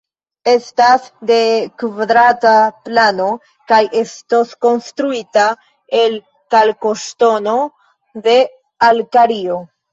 Estas de kvadrata plano kaj estos konstruita el kalkoŝtono de Alkario.